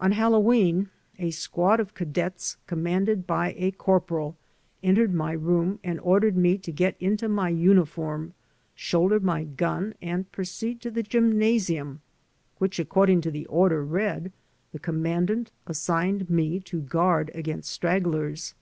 On Hallowe'en a squad of cadets commanded by a corporal entered my room and ordered me to get into my imiform, shoulder my gun, and proceed to the gymnasium, which, according to the order read, the commandant assigned me to guard against stragglers.